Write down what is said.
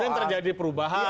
kemudian terjadi perubahan